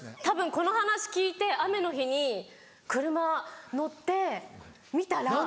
たぶんこの話聞いて雨の日に車乗って見たら。